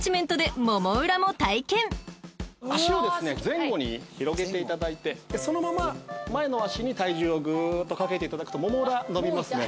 前後に広げていただいてそのまま前の脚に体重をぐっとかけていただくともも裏伸びますね。